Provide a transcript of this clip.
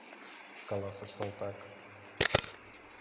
— каласыш салтак.